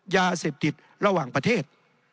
ยาเสพติดระหว่างประเทศ